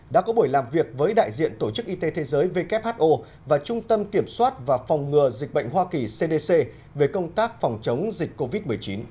đã có buổi làm việc với đại diện tổ chức y tế thế giới who và trung tâm kiểm soát và phòng ngừa dịch bệnh hoa kỳ cdc về công tác phòng chống dịch covid một mươi chín